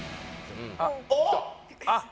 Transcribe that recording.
あっ！